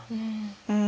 うん。